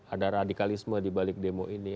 ada radikalisme dibalik demo ini